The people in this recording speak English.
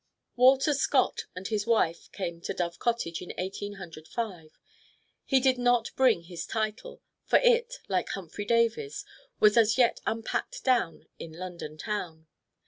Walter Scott and his wife came to Dove Cottage in Eighteen Hundred Five. He did not bring his title, for it, like Humphry Davy's, was as yet unpacked down in London town.